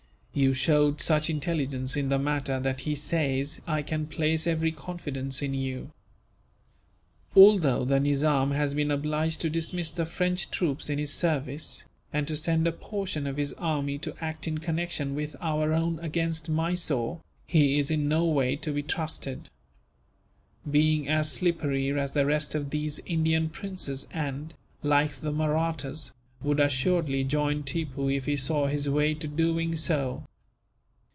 You showed such intelligence in the matter that he says I can place every confidence in you. "Although the Nizam has been obliged to dismiss the French troops in his service, and to send a portion of his army to act in connection with our own against Mysore, he is in no way to be trusted; being as slippery as the rest of these Indian princes and, like the Mahrattas, would assuredly join Tippoo if he saw his way to doing so.